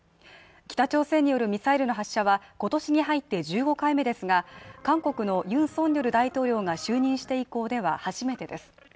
北朝鮮によるミサイルの発射は今年に入って１５回目ですが韓国のユン・ソンニョル大統領が就任して以降では初めてです。